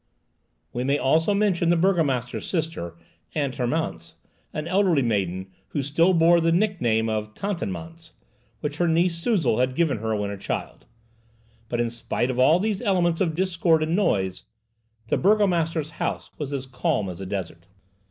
We may also mention the burgomaster's sister, Aunt Hermance, an elderly maiden who still bore the nickname of Tatanémance, which her niece Suzel had given her when a child. But in spite of all these elements of discord and noise, the burgomaster's house was as calm as a desert.